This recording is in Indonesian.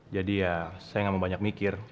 jadi ya saya nggak mau banyak mikir